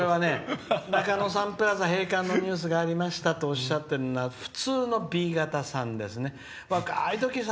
これはね、中野サンプラザ閉館のニュースがありましたとおっしゃってるのはふつうのＢがたさんですね。